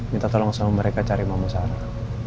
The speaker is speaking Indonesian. minta tolong sama mereka cari mama sarah